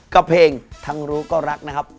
กับเพลงทั้งรู้ก็รักนะครับ